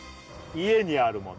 家にあるもの